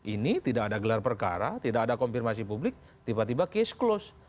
ini tidak ada gelar perkara tidak ada konfirmasi publik tiba tiba case close